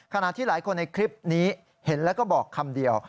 ขณะที่หลายคนในคลิปนี้เห็นแล้วก็บอกคำเดียว